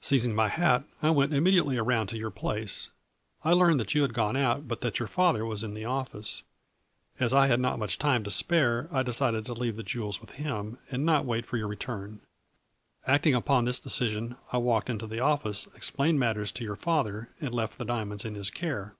Seizing my hat, I went immediately around to your place. I learned that you had gone out, but that your father was in the office. As I had not much time to spare I decided to leave the jewels with him and not wait for your return. Acting upon this decision, I walked into the office, explained matters to your father and left the diamonds in his care.